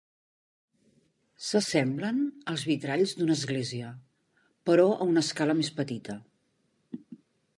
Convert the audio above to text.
S'assemblen als vitralls d'una església, però a una escala més petita.